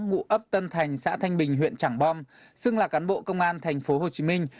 ngụ ấp tân thành xã thanh bình huyện trảng bom xưng là cán bộ công an thành phố hồ chí minh